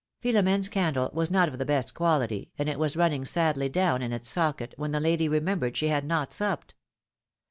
Philom^ne's candle was not of the best quality, and it was running sadly down in its socket, when the lady remembered she had not supped.